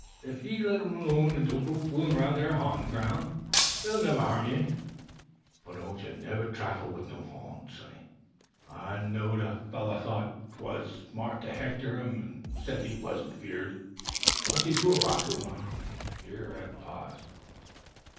"If ye let 'em alone an' don't go foolin' aroun' the'r ha'ntin' groun' they'll never harm ye. But don't ye never trifle with no ha'nt, sonny. I knowed a feller't thought 'twuz smart to hector 'em an' said he wuzn't feared. Onct he throwed a rock at one " Here Eph paused.